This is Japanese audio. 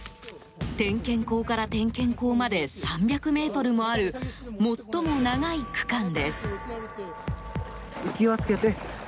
点検口から点検口まで３００ｍもある最も長い区間です。